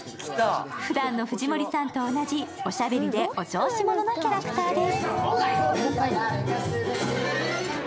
ふだんの藤森さんと同じ、おしゃべりでお調子者のキャラクターです。